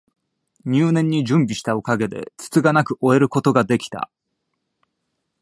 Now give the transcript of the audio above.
入念に準備したおかげで、つつがなく終えることが出来た